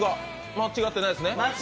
間違ってないです。